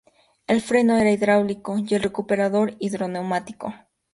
El freno era hidráulico y el recuperador hidro-neumático.